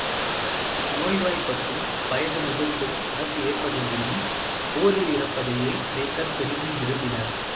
நோய் வாய்ப்பட்டும் வயது முதிர்ந்தும் இறப்பு ஏற்படுவதினும், போரில் இறப்பதையே கிரேக்கர் பெரிதும் விரும்பினர்.